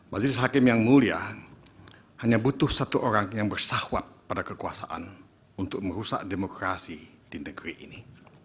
majelis hakim yang mulia hanya butuh satu orang yang bersahwat pada kekuasaan untuk merusak demokrasi di negeri ini